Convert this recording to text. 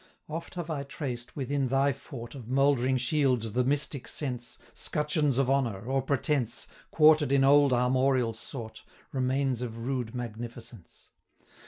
Oft have I traced, within thy fort, Of mouldering shields the mystic sense, Scutcheons of honour, or pretence, 215 Quarter'd in old armorial sort, Remains of rude magnificence.